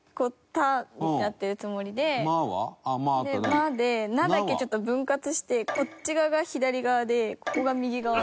「ま」で「な」だけちょっと分割してこっち側が左側でここが右側の。